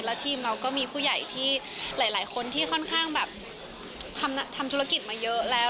แล้วทีมเราก็มีผู้ใหญ่ที่หลายคนที่ค่อนข้างแบบทำธุรกิจมาเยอะแล้ว